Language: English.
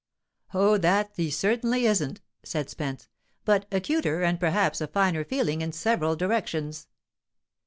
"Oh, that he certainly isn't," said Spence. "But acuter, and perhaps a finer feeling in several directions."